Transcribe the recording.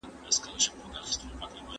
هغې د فشار له کبله ځان تنها احساس کړ.